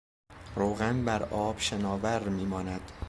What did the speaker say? روغن بر آب شناور میماند.